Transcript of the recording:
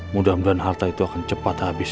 mudah mudahan harta itu akan cepat habis